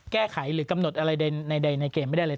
แก้ไขหรือกำหนดอะไรในเกมไม่ได้เลย